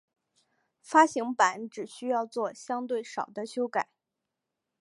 发行版只需要作相对少的修改。